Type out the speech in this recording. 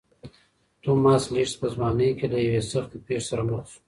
توماس لېډز په ځوانۍ کې له یوې سختې پېښې سره مخ شو.